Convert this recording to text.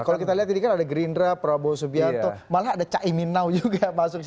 kalau kita lihat ini kan ada gerindra prabowo subianto malah ada caiminau juga